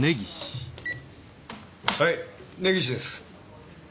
はい根岸です。